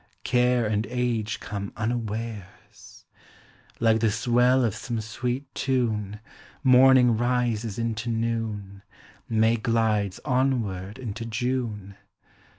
Care and age come unawares ! Like the swell of some sweet tune, Morning rises into noon, May glides onward into June. L'lG POEMS OF HOME.